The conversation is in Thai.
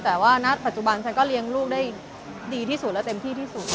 แต่ว่าณปัจจุบันฉันก็เลี้ยงลูกได้ดีที่สุดและเต็มที่ที่สุด